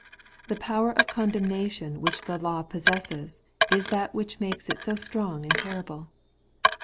The power of condemnation which the law possesses is that which makes it so strong and terrible.